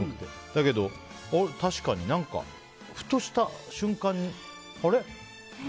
だけど、確かに何かふとした瞬間に、あれ？